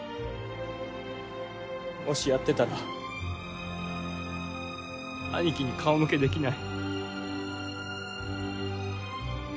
もしやってたら兄貴に顔向けできない。